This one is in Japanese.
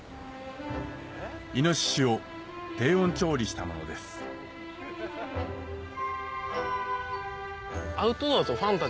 イノシシを低温調理したものですやっていて。